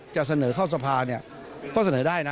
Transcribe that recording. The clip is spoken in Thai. จะเสนอเข้าสภาประสงค์ก็เสนอได้